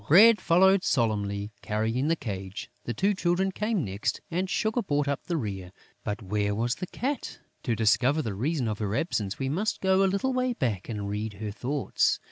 Bread followed solemnly, carrying the cage; the two Children came next; and Sugar brought up the rear. But where was the Cat? To discover the reason of her absence, we must go a little way back and read her thoughts.